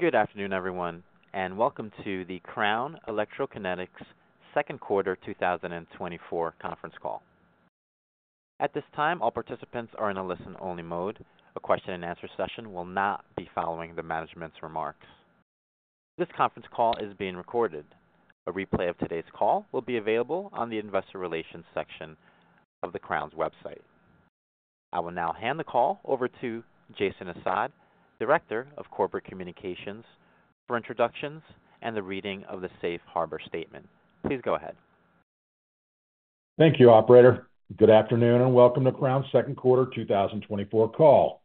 Good afternoon, everyone, and welcome to the Crown Electrokinetics second quarter 2024 conference call. At this time, all participants are in a listen-only mode. A question-and-answer session will not be following the management's remarks. This conference call is being recorded. A replay of today's call will be available on the investor relations section of the Crown's website. I will now hand the call over to Jason Assad, Director of Corporate Communications, for introductions and the reading of the safe harbor statement. Please go ahead. Thank you, operator. Good afternoon, and welcome to Crown's second quarter 2024 call.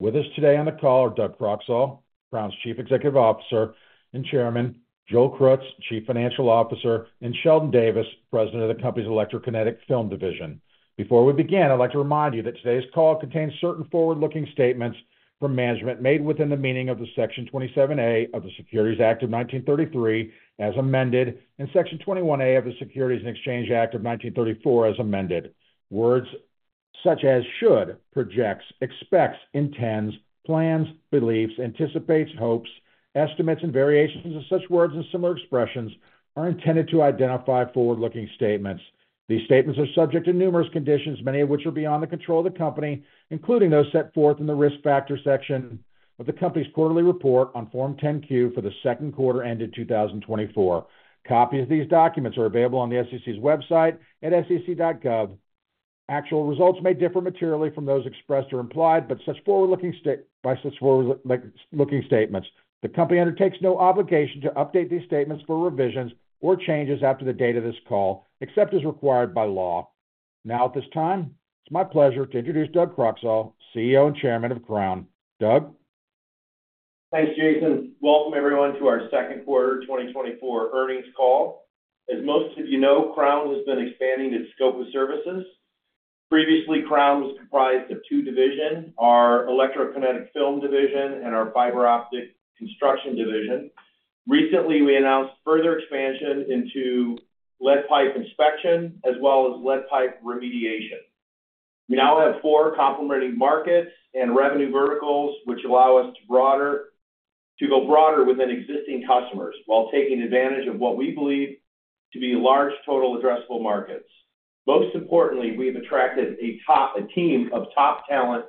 With us today on the call are Doug Croxall, Crown's Chief Executive Officer and Chairman, Joel Krutz, Chief Financial Officer, and Sheldon Davis, President of the company's Electrokinetic Film Division. Before we begin, I'd like to remind you that today's call contains certain forward-looking statements from management made within the meaning of the Section 27A of the Securities Act of 1933, as amended, and Section 21A of the Securities and Exchange Act of 1934, as amended. Words such as should, projects, expects, intends, plans, believes, anticipates, hopes, estimates, and variations of such words and similar expressions are intended to identify forward-looking statements. These statements are subject to numerous conditions, many of which are beyond the control of the company, including those set forth in the Risk Factors section of the company's quarterly report on Form 10-Q for the second quarter ended 2024. Copies of these documents are available on the SEC's website at sec.gov. Actual results may differ materially from those expressed or implied by such forward-looking statements. The company undertakes no obligation to update these statements for revisions or changes after the date of this call, except as required by law. Now, at this time, it's my pleasure to introduce Doug Croxall, CEO and Chairman of Crown. Doug? Thanks, Jason. Welcome, everyone, to our second quarter 2024 earnings call. As most of you know, Crown has been expanding its scope of services. Previously, Crown was comprised of two divisions, our Electrokinetic Film Division and our Fiber Optic Construction Division. Recently, we announced further expansion into lead pipe inspection as well as lead pipe remediation. We now have four complementing markets and revenue verticals, which allow us to go broader within existing customers while taking advantage of what we believe to be large total addressable markets. Most importantly, we've attracted a team of top talent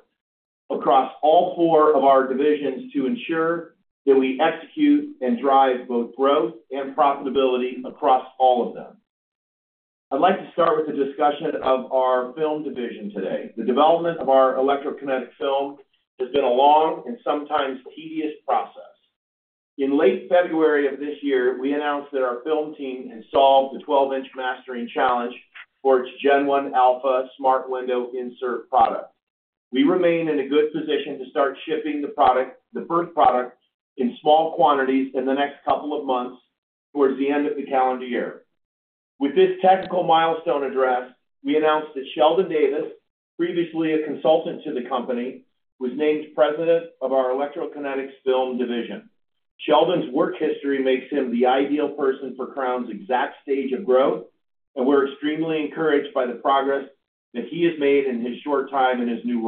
across all four of our divisions to ensure that we execute and drive both growth and profitability across all of them. I'd like to start with a discussion of our film division today. The development of our electrokinetic film has been a long and sometimes tedious process. In late February of this year, we announced that our film team had solved the 12-inch mastering challenge for its Gen 1 Alpha Smart Window Insert product. We remain in a good position to start shipping the product, the first product, in small quantities in the next couple of months towards the end of the calendar year. With this technical milestone addressed, we announced that Sheldon Davis, previously a consultant to the company, was named President of our Electrokinetics Film Division. Sheldon's work history makes him the ideal person for Crown's exact stage of growth, and we're extremely encouraged by the progress that he has made in his short time in his new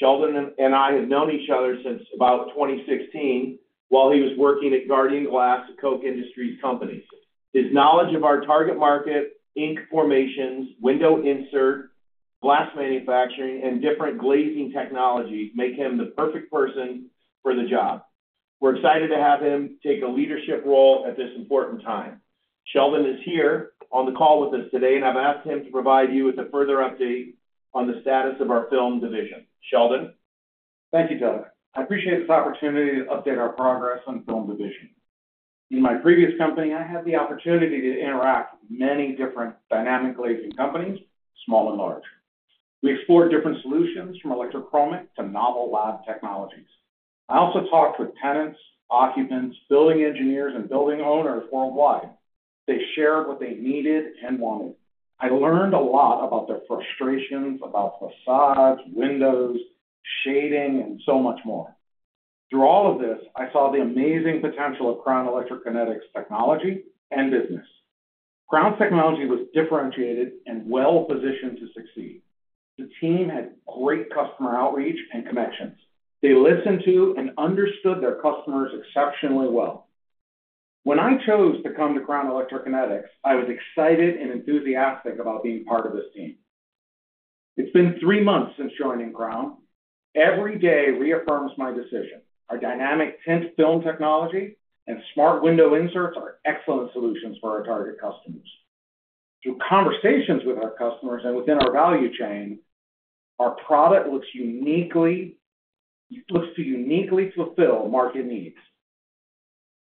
role. Sheldon and I have known each other since about 2016 while he was working at Guardian Glass, a Koch Industries company. His knowledge of our target market, ink formations, window insert, glass manufacturing, and different glazing technologies make him the perfect person for the job. We're excited to have him take a leadership role at this important time. Sheldon is here on the call with us today, and I've asked him to provide you with a further update on the status of our film division. Sheldon? Thank you, Doug. I appreciate this opportunity to update our progress on film division. In my previous company, I had the opportunity to interact with many different dynamic glazing companies, small and large. We explored different solutions, from electrochromic to novel lab technologies. I also talked with tenants, occupants, building engineers, and building owners worldwide. They shared what they needed and wanted. I learned a lot about their frustrations, about facades, windows, shading, and so much more. Through all of this, I saw the amazing potential of Crown Electrokinetics technology and business. Crown technology was differentiated and well positioned to succeed. The team had great customer outreach and connections. They listened to and understood their customers exceptionally well. When I chose to come to Crown Electrokinetics, I was excited and enthusiastic about being part of this team. It's been three months since joining Crown. Every day reaffirms my decision. Our Dynamic Tint Film technology and Smart Window Inserts are excellent solutions for our target customers. Through conversations with our customers and within our value chain, our product looks to uniquely fulfill market needs.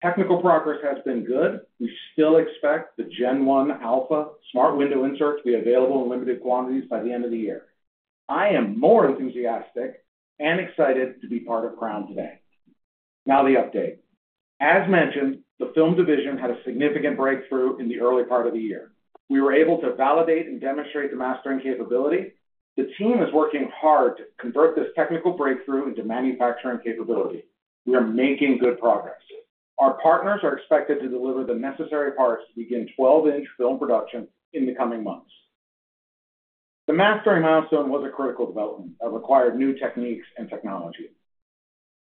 Technical progress has been good. We still expect the Gen 1 Alpha Smart Window Insert to be available in limited quantities by the end of the year. I am more enthusiastic and excited to be part of Crown today. Now the update. As mentioned, the film division had a significant breakthrough in the early part of the year. We were able to validate and demonstrate the mastering capability. The team is working hard to convert this technical breakthrough into manufacturing capability. We are making good progress. Our partners are expected to deliver the necessary parts to begin 12-inch film production in the coming months. The mastering milestone was a critical development that required new techniques and technology.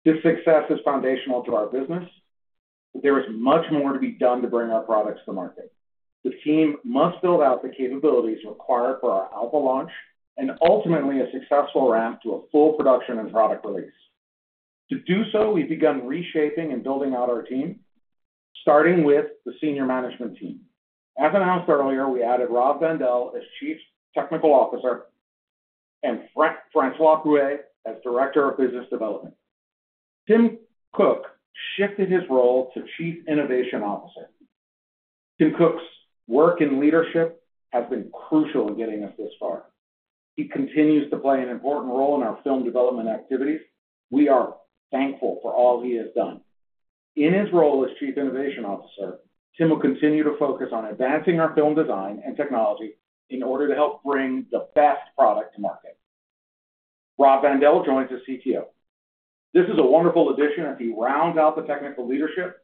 This success is foundational to our business, but there is much more to be done to bring our products to market. The team must build out the capabilities required for our alpha launch, and ultimately, a successful ramp to a full production and product release. To do so, we've begun reshaping and building out our team, starting with the senior management team. As announced earlier, we added Rob Vandell as Chief Technical Officer, and Francois Croue as Director of Business Development. Tim Cook shifted his role to Chief Innovation Officer. Tim Cook's work and leadership has been crucial in getting us this far. He continues to play an important role in our film development activities. We are thankful for all he has done. In his role as Chief Innovation Officer, Tim will continue to focus on advancing our film design and technology in order to help bring the best product to market. Rob Vandell joins as CTO. This is a wonderful addition, as he rounds out the technical leadership.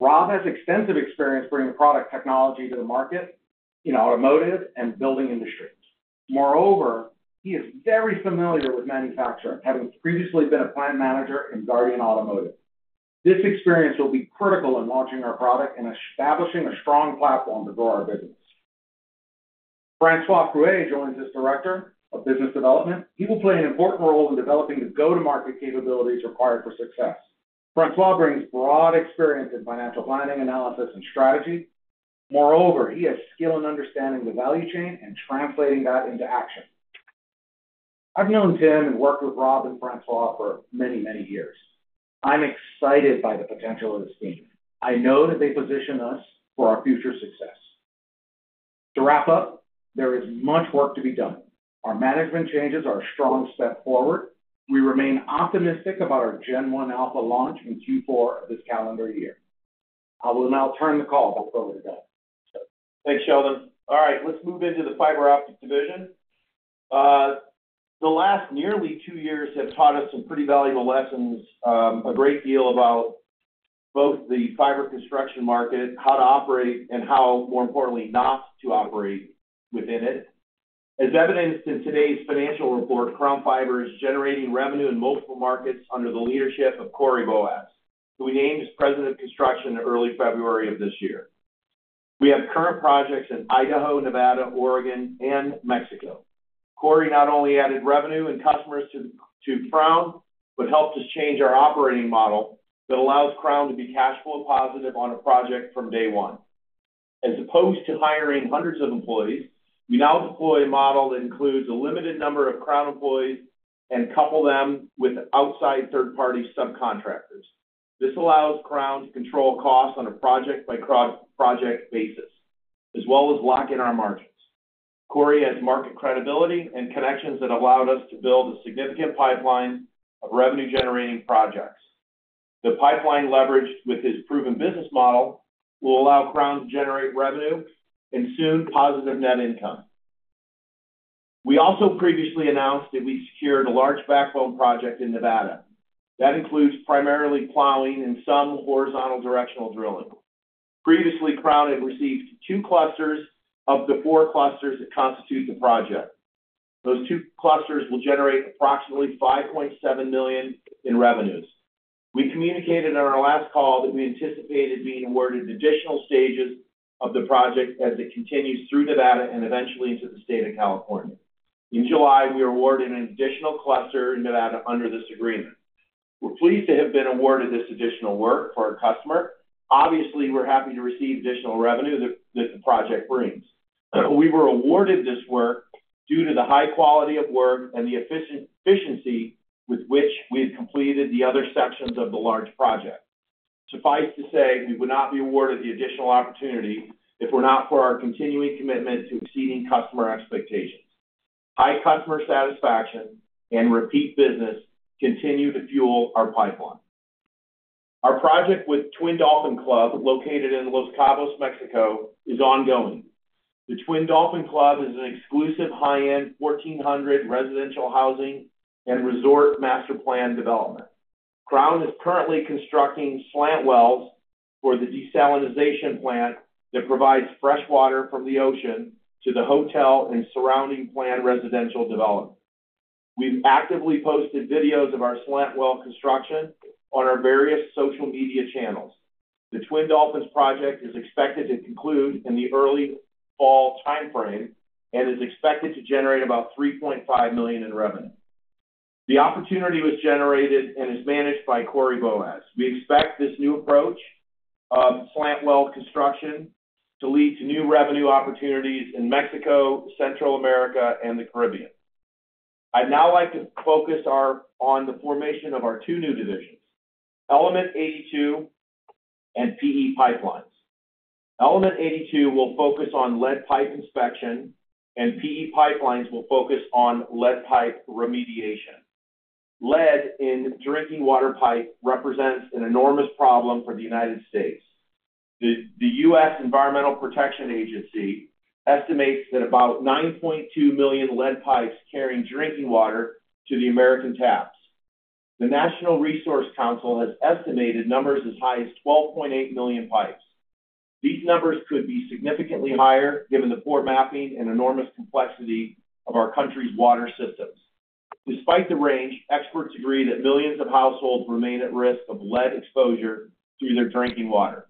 Rob has extensive experience bringing product technology to the market in automotive and building industries. Moreover, he is very familiar with manufacturing, having previously been a plant manager in Guardian Automotive. This experience will be critical in launching our product and establishing a strong platform to grow our business. Francois Croue joins as Director of Business Development. He will play an important role in developing the go-to-market capabilities required for success. Francois brings broad experience in financial planning, analysis, and strategy. Moreover, he has skill in understanding the value chain and translating that into action. I've known Tim and worked with Rob and Francois for many, many years. I'm excited by the potential of this team. I know that they position us for our future success. To wrap up, there is much work to be done. Our management changes are a strong step forward. We remain optimistic about our Gen 1 Alpha launch in Q4 of this calendar year. I will now turn the call over to Bill. Thanks, Sheldon. All right, let's move into the fiber optics division. The last nearly two years have taught us some pretty valuable lessons, a great deal about both the fiber construction market, how to operate, and how, more importantly, not to operate within it. As evidenced in today's financial report, Crown Fiber is generating revenue in multiple markets under the leadership of Corey Boaz, who we named as President of Construction in early February of this year. We have current projects in Idaho, Nevada, Oregon, and Mexico. Corey not only added revenue and customers to, to Crown, but helped us change our operating model that allows Crown to be cash flow positive on a project from day one. As opposed to hiring hundreds of employees, we now deploy a model that includes a limited number of Crown employees and couple them with outside third-party subcontractors. This allows Crown to control costs on a project-by-project basis, as well as lock in our margins. Corey has market credibility and connections that allowed us to build a significant pipeline of revenue-generating projects. The pipeline leverage with his proven business model will allow Crown to generate revenue and soon, positive net income. We also previously announced that we secured a large backbone project in Nevada, that includes primarily plowing and some horizontal directional drilling. Previously, Crown had received two clusters of the four clusters that constitute the project. Those two clusters will generate approximately $5.7 million in revenues. We communicated on our last call that we anticipated being awarded additional stages of the project as it continues through Nevada and eventually into the state of California. In July, we were awarded an additional cluster in Nevada under this agreement. We're pleased to have been awarded this additional work for our customer. Obviously, we're happy to receive additional revenue that the project brings. We were awarded this work due to the high quality of work and the efficiency with which we had completed the other sections of the large project. Suffice to say, we would not be awarded the additional opportunity if it were not for our continuing commitment to exceeding customer expectations. High customer satisfaction and repeat business continue to fuel our pipeline. Our project with Twin Dolphin Club, located in Los Cabos, Mexico, is ongoing. The Twin Dolphin Club is an exclusive, high-end, 1,400 residential housing and resort master plan development. Crown is currently constructing slant wells for the desalinization plant that provides fresh water from the ocean to the hotel and surrounding planned residential development. We've actively posted videos of our slant well construction on our various social media channels. The Twin Dolphin project is expected to conclude in the early fall timeframe and is expected to generate about $3.5 million in revenue. The opportunity was generated and is managed by Corey Boaz. We expect this new approach of slant well construction to lead to new revenue opportunities in Mexico, Central America, and the Caribbean. I'd now like to focus on the formation of our two new divisions, Element 82 and PE Pipelines. Element 82 will focus on lead pipe inspection, and PE Pipelines will focus on lead pipe remediation. Lead in drinking water pipe represents an enormous problem for the United States. The U.S. Environmental Protection Agency estimates that about 9.2 million lead pipes carry drinking water to the American taps. The National Resource Council has estimated numbers as high as 12.8 million pipes. These numbers could be significantly higher, given the poor mapping and enormous complexity of our country's water systems. Despite the range, experts agree that millions of households remain at risk of lead exposure through their drinking water.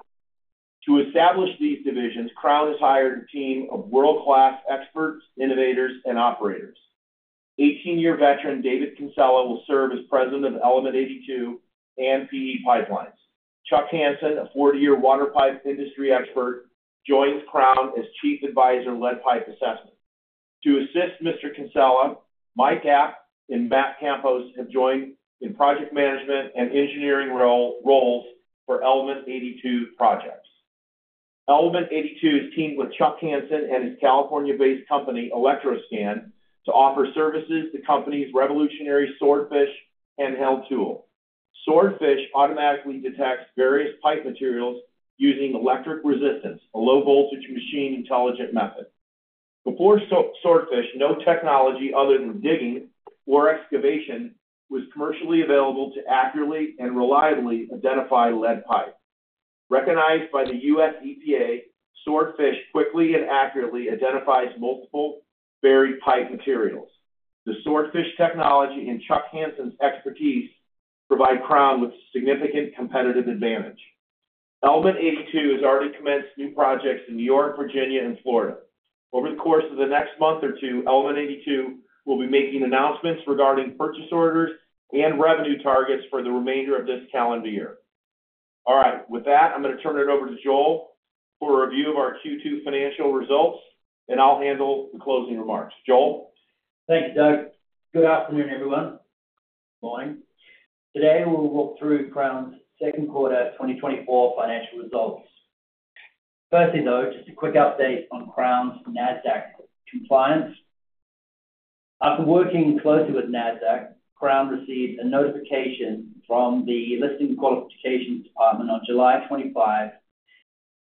To establish these divisions, Crown has hired a team of world-class experts, innovators, and operators. 18-year veteran, David Kinsella, will serve as President of Element 82 and PE Pipelines. Chuck Hansen, a 40-year water pipe industry expert, joins Crown as Chief Advisor, Lead Pipe Assessment. To assist Mr. Kinsella, Mike App and Matt Campos have joined in project management and engineering roles for Element 82 projects. Element 82 is teamed with Chuck Hansen and his California-based company, Electro Scan, to offer services to company's revolutionary Swordfish handheld tool. Swordfish automatically detects various pipe materials using electric resistance, a low-voltage, machine-intelligent method. Before Swordfish, no technology other than digging or excavation was commercially available to accurately and reliably identify lead pipe. Recognized by the U.S. EPA, Swordfish quickly and accurately identifies multiple buried pipe materials. The Swordfish technology and Chuck Hansen's expertise provide Crown with significant competitive advantage. Element 82 has already commenced new projects in New York, Virginia, and Florida. Over the course of the next month or two, Element 82 will be making announcements regarding purchase orders and revenue targets for the remainder of this calendar year. All right, with that, I'm gonna turn it over to Joel for a review of our Q2 financial results, and I'll handle the closing remarks. Joel? Thank you, Doug. Good afternoon, everyone. Good morning. Today, we'll walk through Crown's second quarter 2024 financial results. Firstly, though, just a quick update on Crown's NASDAQ compliance. After working closely with NASDAQ, Crown received a notification from the Listing Qualifications Department on July 25,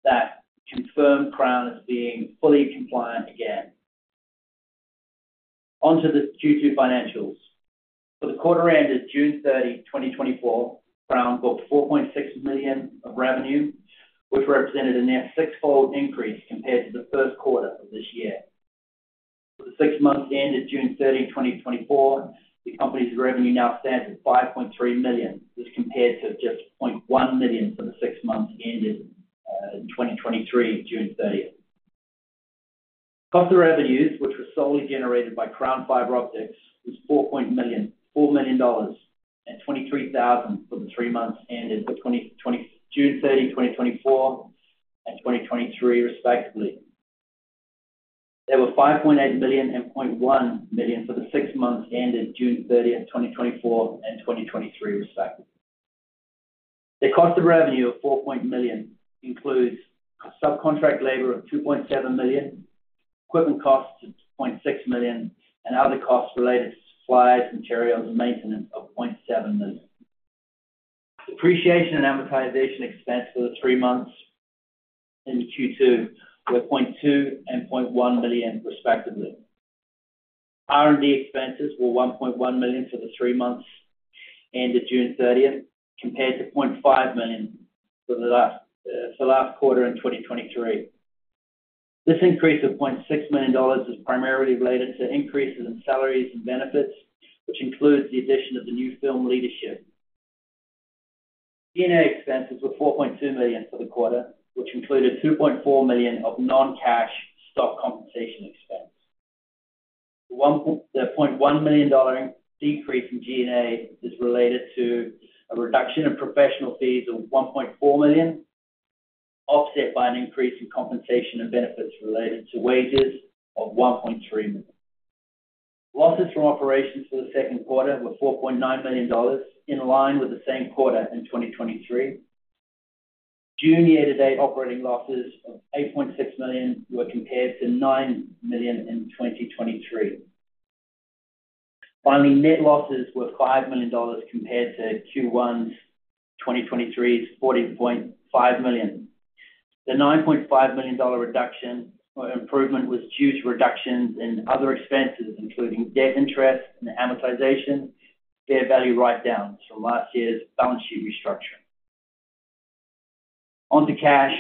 that confirmed Crown as being fully compliant again. Onto the Q2 financials. For the quarter ended June 30, 2024, Crown booked $4.6 million of revenue, which represented a net sixfold increase compared to the first quarter of this year. For the six months ended June 30, 2024, the company's revenue now stands at $5.3 million, as compared to just $0.1 million for the six months ended in 2023, June 30. Cost of revenues, which was solely generated by Crown Fiber Optics, was $4 million and $23,000 for the three months ended June 30, 2024, and 2023, respectively. They were $5.8 million and $0.1 million for the six months ended June 30, 2024 and 2023, respectively. The cost of revenue of $4 million includes subcontract labor of $2.7 million, equipment costs of $2.6 million, and other costs related to supplies, materials, and maintenance of $0.7 million. Depreciation and amortization expense for the three months in Q2 were $0.2 million and $0.1 million, respectively. R&D expenses were $1.1 million for the three months ended June 30, compared to $0.5 million for last quarter in 2023. This increase of $0.6 million is primarily related to increases in salaries and benefits, which includes the addition of the new film leadership. G&A expenses were $4.2 million for the quarter, which included $2.4 million of non-cash stock compensation expense. The $0.1 million decrease in G&A is related to a reduction in professional fees of $1.4 million, offset by an increase in compensation and benefits related to wages of $1.3 million. Losses from operations for the second quarter were $4.9 million, in line with the same quarter in 2023. June year-to-date operating losses of $8.6 million were compared to $9 million in 2023. Finally, net losses were $5 million, compared to Q1 2023's $14.5 million. The $9.5 million reduction or improvement was due to reductions in other expenses, including debt interest and amortization, fair value write-downs from last year's balance sheet restructuring. On to cash,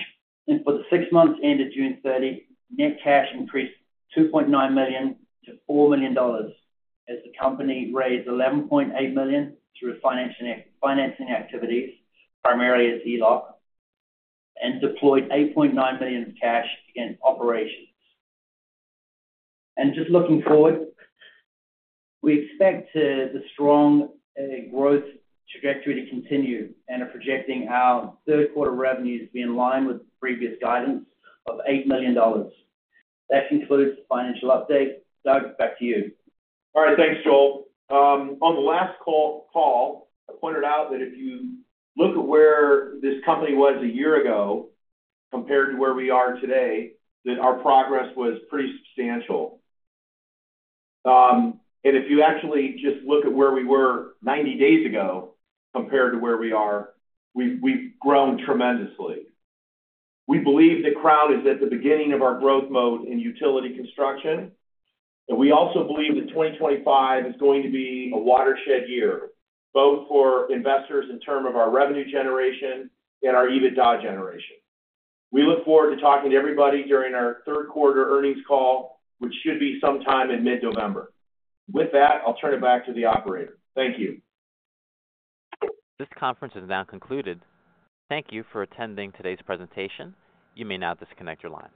for the six months ended June 30, net cash increased $2.9 million to $4 million, as the company raised $11.8 million through financing activities, primarily as ELOC, and deployed $8.9 million in cash in operations. Just looking forward, we expect the strong growth trajectory to continue, and are projecting our third quarter revenues to be in line with previous guidance of $8 million. That concludes the financial update. Doug, back to you. All right. Thanks, Joel. On the last call, I pointed out that if you look at where this company was a year ago compared to where we are today, that our progress was pretty substantial. And if you actually just look at where we were 90 days ago compared to where we are, we've grown tremendously. We believe that Crown is at the beginning of our growth mode in utility construction, and we also believe that 2025 is going to be a watershed year, both for investors in terms of our revenue generation and our EBITDA generation. We look forward to talking to everybody during our third quarter earnings call, which should be sometime in mid-November. With that, I'll turn it back to the operator. Thank you. This conference is now concluded. Thank you for attending today's presentation. You may now disconnect your lines.